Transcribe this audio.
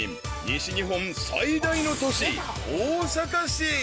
西日本最大の都市大阪市］